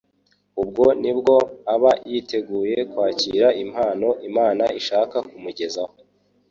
Ubwo nibwo aba yiteguye kwakira impano Imana ishaka kumugezaho.